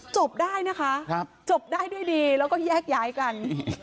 จบได้นะคะจบได้ด้วยดีแล้วก็แยกย้ายกัน